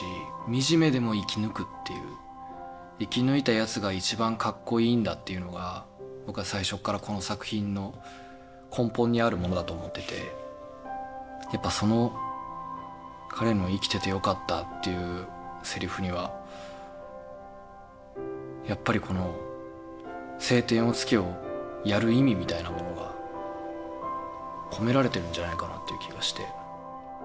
惨めでも生き抜くっていう生き抜いたやつが一番かっこいいんだっていうのが僕は最初からこの作品の根本にあるものだと思っていてやっぱその彼の「生きててよかった」というセリフにはやっぱりこの「青天を衝け」をやる意味みたいなものが込められてるんじゃないかなっていう気がして。